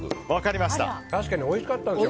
確かにおいしかったです。